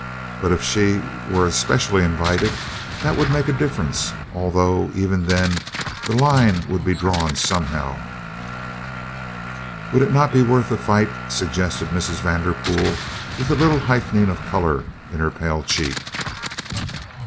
But if she were especially invited? That would make a difference, although even then the line would be drawn somehow. "Would it not be worth a fight?" suggested Mrs. Vanderpool with a little heightening of color in her pale cheek.